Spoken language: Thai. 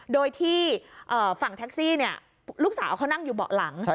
โดยที่ฝั่งแท็กซี่ลูกสาวเขานั่งอยู่เบาะหลัง